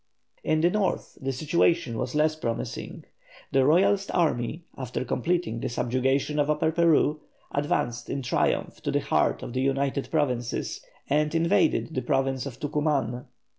In the North the situation was less promising. The Royalist army, after completing the subjugation of Upper Peru, advanced in triumph to the heart of the United Provinces, and invaded the Province of Tucuman.